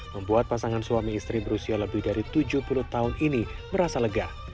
membuat pasangan suami istri berusia lebih dari tujuh puluh tahun ini merasa lega